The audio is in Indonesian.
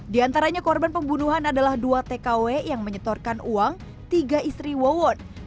di antaranya korban pembunuhan adalah dua tkw yang menyetorkan uang tiga istri wawon